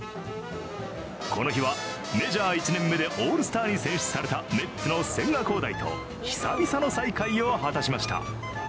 この日はメジャー１年目でオールスターに選出されたメッツの千賀滉大と久々の再会を果たしました。